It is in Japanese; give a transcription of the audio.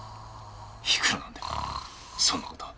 いくらなんでもそんな事は。